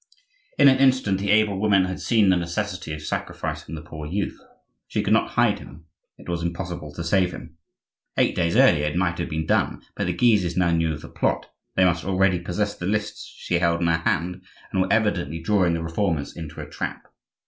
In an instant the able woman had seen the necessity of sacrificing the poor youth. She could not hide him; it was impossible to save him. Eight days earlier it might have been done; but the Guises now knew of the plot; they must already possess the lists she held in her hand, and were evidently drawing the Reformers into a trap.